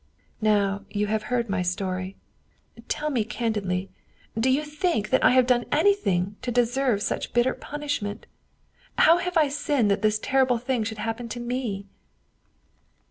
Now you have heard my story. Tell me candidly, do you think that I have done anything to deserve such bitter punishment? How have I sinned that this terrible thing should happen to me?